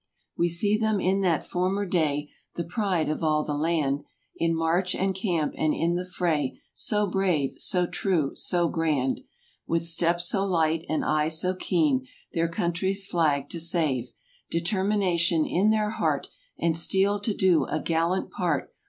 We see them in that former day. The pride of all the land— In march and camp and in the fray So brave; so true; so grand— With step so light and eye so keen Their country's flag to save— Determination in their heart And steeled to do a gallant part.